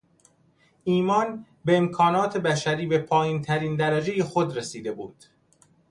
ایمان به امکانات بشری به پایینترین درجهی خود رسیده بود.